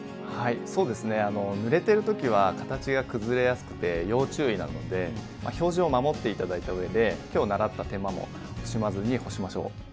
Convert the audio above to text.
はいそうですねぬれてる時は形が崩れやすくて要注意なので表示を守って頂いた上で今日習った手間も惜しまずに干しましょう。